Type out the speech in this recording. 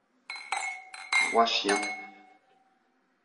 Trois chiens.